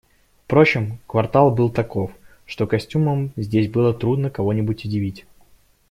Впрочем, квартал был таков, что костюмом здесь было трудно кого-нибудь удивить.